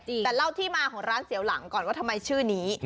แต่เล่าที่มาของร้านเสียวหลังก่อนว่าทำไมชื่อนี้